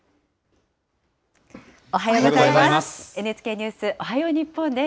おはようございます。